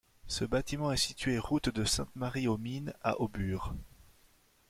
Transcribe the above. Ce bâtiment est situé route de Sainte Marie aux Mines à Aubure.